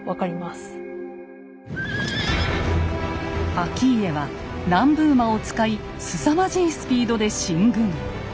顕家は南部馬を使いすさまじいスピードで進軍。